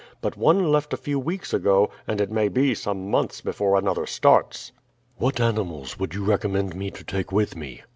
But one left a few weeks ago, and it may be some months before another starts." "What animals would you recommend me to take with me?"